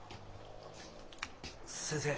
先生。